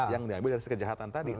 yang diambil dari kejahatan tadi